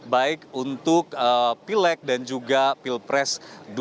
baik untuk pileg dan juga pilpres dua ribu sembilan belas